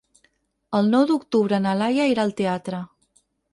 El nou d'octubre na Laia irà al teatre.